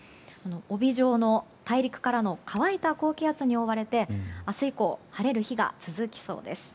帯状の大陸からの乾いた高気圧に覆われて明日以降晴れる日が続きそうです。